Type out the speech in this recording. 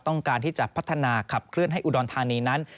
ต้องการที่จะพัฒนาขับเคลื่อนให้อุดรธานีนั้น